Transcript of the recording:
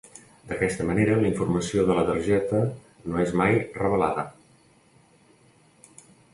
D'aquesta manera la informació de la targeta no és mai revelada.